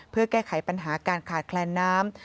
เพื่อแก้ไขปัญหาการขาดแคลนน้ำ